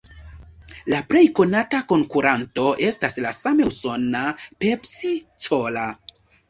La plej konata konkuranto estas la same usona "Pepsi-Cola".